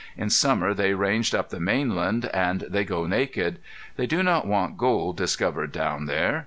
In summer they range up the mainland, and they go naked. They do not want gold discovered down there.